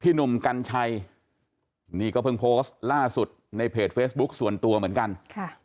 หนุ่มกัญชัยนี่ก็เพิ่งโพสต์ล่าสุดในเพจเฟซบุ๊คส่วนตัวเหมือนกันค่ะ